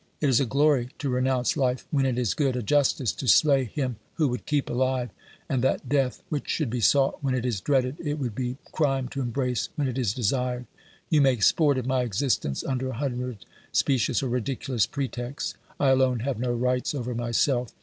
It is a glory to renounce life when it is good, a justice to slay him who would keep alive; and that death which should be sought when it is dreaded it would be crime to embrace when it is desired ! You make sport of my existence under a hundred specious or ridiculous pretexts; I alone have no rights over myself!